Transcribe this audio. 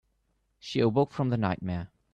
She awoke from the nightmare.